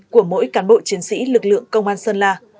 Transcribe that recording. của mỗi cán bộ chiến sĩ lực lượng công an sơn la